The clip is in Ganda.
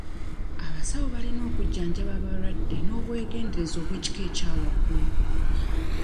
Abasawo balina okujjanjaba balwadde n'obwegendereza obw'ekika ekya waggulu.